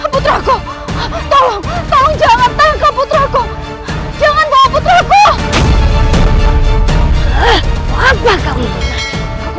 putraku tolong jangan tangkap putraku jangan bawa putraku